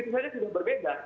di situ saja sudah berbeda